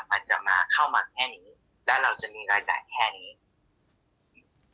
มันจะมาเข้ามาแค่นี้และเราจะมีรายจ่ายแค่นี้